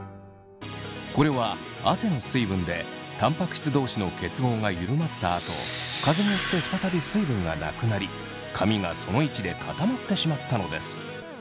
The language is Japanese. これは汗の水分でタンパク質同士の結合が緩まったあと風によって再び水分がなくなり髪がその位置で固まってしまったのです。